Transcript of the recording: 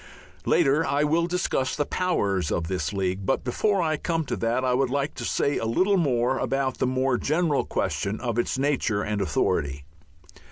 Later I will discuss the powers of the League. But before I come to that I would like to say a little about the more general question of its nature and authority.